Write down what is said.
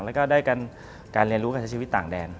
แล้วก็ได้การเรียนรู้การใช้ชีวิตต่างแดน